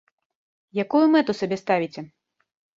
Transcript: Якую мэту сабе ставіце?